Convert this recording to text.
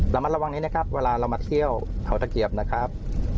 ระมัดระวังนี้นะครับเวลาเรามาเที่ยวเขาตะเกียบนะครับ